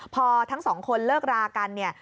พอทั้งสองคนเลิกรากันเนี่ย